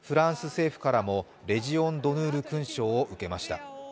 フランス政府からもレジオン・ドヌール勲章を受けました。